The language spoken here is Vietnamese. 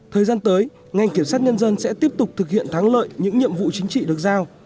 thời gian tới ngành kiểm sát nhân dân sẽ tiếp tục thực hiện thắng lợi những nhiệm vụ chính trị được giao